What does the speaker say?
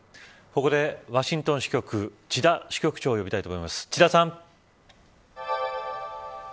ここでワシントン支局千田支局長を呼びたいと思います